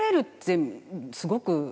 すごく。